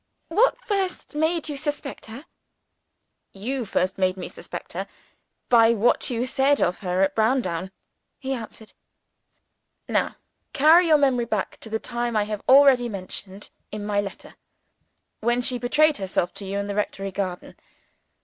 "What first made you suspect her?" "You first made me suspect her, by what you said of her at Browndown," he answered. "Now carry your memory back to the time I have already mentioned in my letter when she betrayed herself to you in the rectory garden.